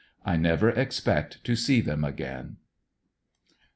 I never expect to see them again.